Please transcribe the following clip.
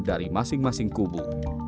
dari masing masing kubu